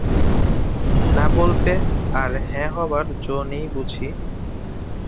না বল্পে আর হ্যাঁ হবার জো নেই বুঝি?